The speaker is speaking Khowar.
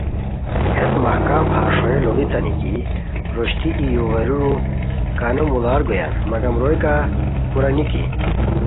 ہیت مہکم پھار ݰوئیے لُوڑیتانی کی روشتی ای یو غیریرو کانو موڑار گویان مگم روئے کا کورا نِکی